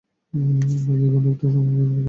আমরা দীর্ঘ অনেকটা সময়ই পরিবার হিসেবে ছিলাম না!